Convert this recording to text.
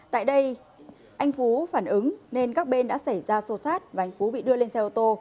tại đây anh phú phản ứng nên các bên đã xảy ra xô xát và anh phú bị đưa lên xe ô tô